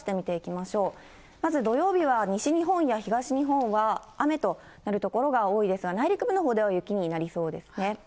まず土曜日は西日本や東日本は、雨となる所が多いですが、内陸部のほうでは雪になりそうですね。